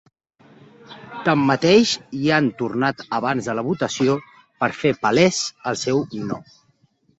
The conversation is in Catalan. Tanmateix, hi han tornat abans de la votació per fer palès el seu no.